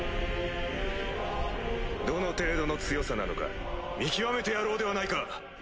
どの程度の強さなのか見極めてやろうではないか！